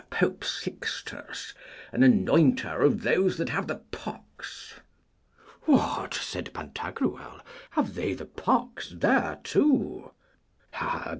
Pope Sixtus, an anointer of those that have the pox. What, said Pantagruel, have they the pox there too?